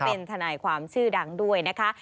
เป็นทนายความชื่อดังด้วยนะคะ